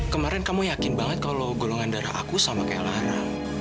kemarin kamu yakin banget kalau golongan darah aku sama kayak lara